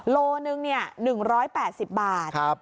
โลนึงเนี่ย๑๘๐บาท